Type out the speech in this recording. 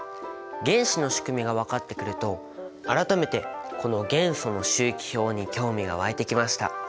原子の仕組みが分かってくると改めてこの元素の周期表に興味が湧いてきました。